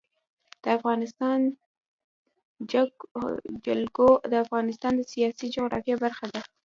د افغانستان جلکو د افغانستان د سیاسي جغرافیه برخه ده.